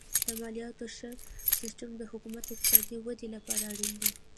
د مالیاتو ښه سیستم د حکومت د اقتصادي ودې لپاره اړین دی.